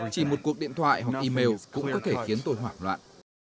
chỉ một cuộc điện thoại hoặc email cũng có thể khiến tôi hoảng loạn